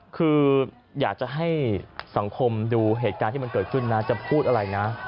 คืออยากจะให้สังคมดูเหตุการณ์ที่มันเกิดขึ้นนะจะพูดอะไรนะ